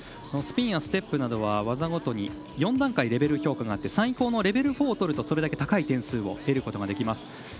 スピンやステップなどは技ごとに４段階レベル評価があり最高のレベル４だとそれだけ高い点数を得ることができます。